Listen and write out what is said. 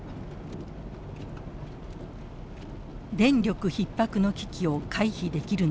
電力ひっ迫の危機を回避できるのか。